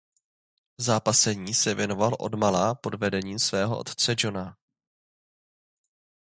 Zápasení se věnoval od mala pod vedením svého otce Johna.